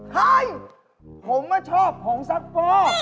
เฮ้ยผมก็ชอบผงซักฟอก